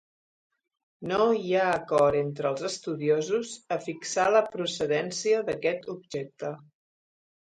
No hi ha acord entre els estudiosos a fixar la procedència d'aquest objecte.